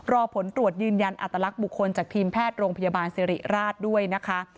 รอผลตรวจยืนยันอัตลักษณ์บุคคลจากทีมแพทย์โรงพยาบาลสิริราชด้วยนะคะ